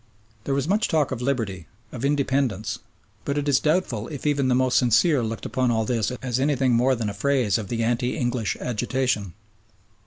There was much talk of liberty, of independence, but it is doubtful if even the most sincere looked upon all this as anything more than a phase of the anti English agitation.